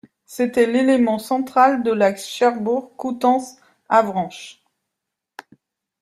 C'était l'élément central de l'axe Cherbourg - Coutances - Avranches.